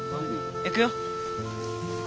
行くよ。